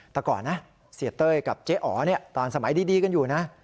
แต่ก่อนนะเสียเต้ยกับเจ๊อ๋อตอนสมัยดีกันอยู่นะ